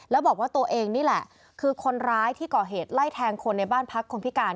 แล้วบอกว่าตัวเองนี่แหละคือคนร้ายที่ก่อเหตุไล่แทงคนในบ้านพักคนพิการ